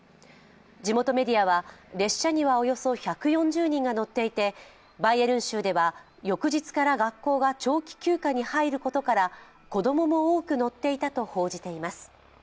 地元メディアは、列車にはおよそ１４０人が乗っていてバイエルン州では翌日から学校が長期休暇に入ることから子供も多く乗っていたと報じています。